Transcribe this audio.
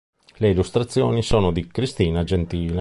Le illustrazioni sono di Cristina Gentile.